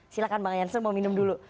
silahkan bang jansen mau minum dulu